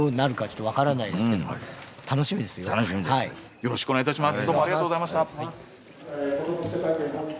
よろしくお願いします。